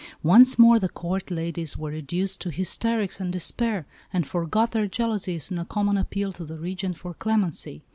Once more the Court ladies were reduced to hysterics and despair, and forgot their jealousies in a common appeal to the Regent for clemency.